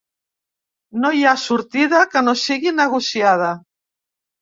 No hi ha sortida que no sigui negociada.